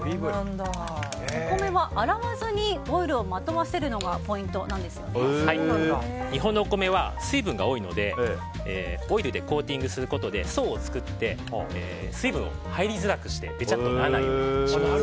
お米は洗わずにオイルをまとわせるのが日本のお米は水分が多いのでオイルでコーティングすることで層を作って水分を入りづらくしてベチャッとならないようにします。